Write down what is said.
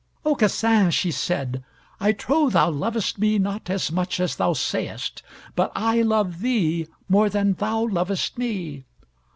"Aucassin," she said, "I trow thou lovest me not as much as thou sayest, but I love thee more than thou lovest me."